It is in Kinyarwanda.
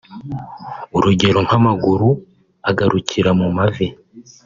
urugero nk’amaguru agarukira mu mavi